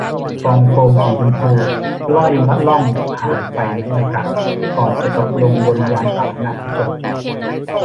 ฟองโฟมสีชมพูล่อยละล่องผ่านไปในอากาศ ก่อนจะตกลงบนยานพาหนะที่จอดอยู่